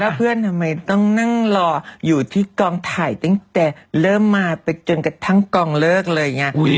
เพื่อนทำไมต้องนั่งรออยู่ที่กองถ่ายตั้งแต่เริ่มมาไปจนกระทั่งกองเลิกเลยไง